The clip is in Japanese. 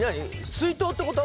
水筒ってこと？